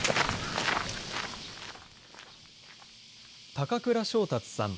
高倉正達さん